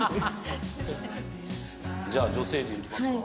じゃあ女性陣いきますか。